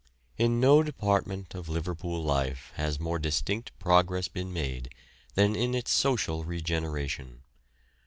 In no department of Liverpool life has more distinct progress been made than in its social regeneration.